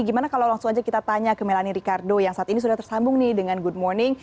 gimana kalau langsung aja kita tanya ke melani ricardo yang saat ini sudah tersambung nih dengan good morning